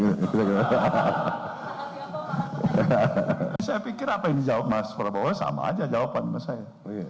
saya pikir apa ini jawab mas prabowo sama aja jawaban masai